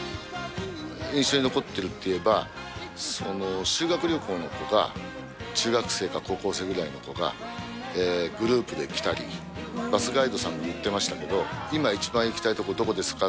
印象に残ってるっていえば、修学旅行の子が、中学生か高校生ぐらいの子が、グループで来たり、バスガイドさんが言ってましたけど、今一番行きたい所どこですか？